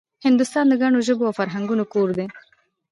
هندوستان د ګڼو ژبو او فرهنګونو کور دی